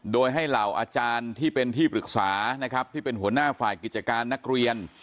โดยให้เหล่าอาจารย์ที่เป็นที่ปรึกษานะครับที่เป็นหัวหน้าฝ่ายกิจการนักเรียน